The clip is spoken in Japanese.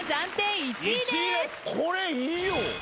これいいよ。